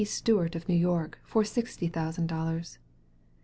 Stewart, of New York, for sixty thousand dollars.